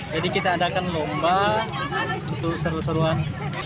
jadi kita adakan lomba itu seru seruan